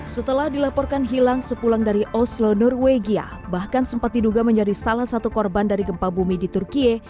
setelah dilaporkan hilang sepulang dari oslo norwegia bahkan sempat diduga menjadi salah satu korban dari gempa bumi di turkiye